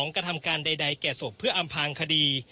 กระทำการใดแก่ศพเพื่ออำพางคดี